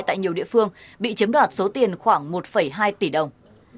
tại nhiều địa phương bị chiếm đoạt số tiền khoảng một hai tỷ đồng